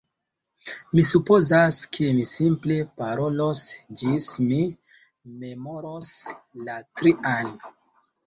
Mi supozas, ke mi simple parolos ĝis mi memoros la trian.